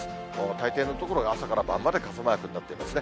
たいていの所が朝から晩まで傘マークになっていますね。